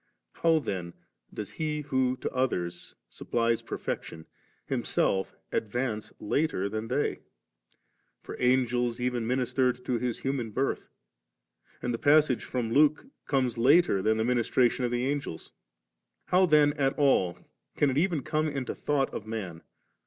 How then does He who to others supplies per fection, Himself advance later than they? For Angels even ministered to His human birth, and the passage from Luke comes later than the ministration of the Angels. How then at all can it even come into thought of man?